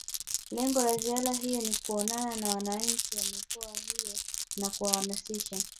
Lengo la ziara hiyo ni kuonana na wananchi wa mikoa hiyo na kuwahamasisha